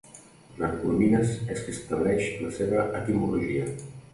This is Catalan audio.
Joan Coromines és qui estableix la seva etimologia.